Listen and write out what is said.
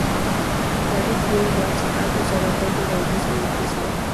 La Right Wing Watch ha acusado a Fuentes de antisemitismo.